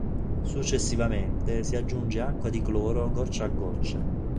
Successivamente si aggiunge acqua di cloro goccia a goccia.